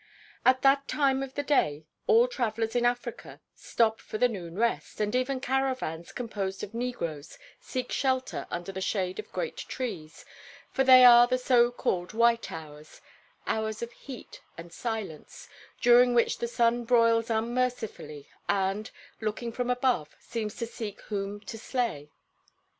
At that time of the day all travelers in Africa stop for the noon rest, and even caravans composed of negroes seek shelter under the shade of great trees; for they are the so called white hours, hours of heat and silence, during which the sun broils unmercifully and, looking from above, seems to seek whom to slay.